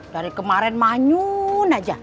dari kemarin manyun aja